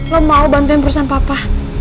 lo mau bantuin perusahaan papa